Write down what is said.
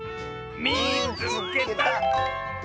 「みいつけた！」。